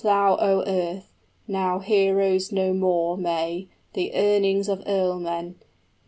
} "Hold thou, O Earth, now heroes no more may, The earnings of earlmen.